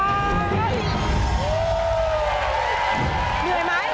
เหนื่อยไหม